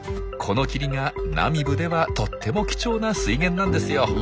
この霧がナミブではとっても貴重な水源なんですよ。